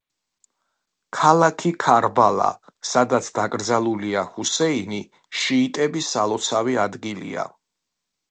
ქალაქი ქარბალა, სადაც დაკრძალულია ჰუსეინი, შიიტების სალოცავი ადგილია.